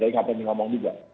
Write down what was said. jadi nggak perlu ngomong juga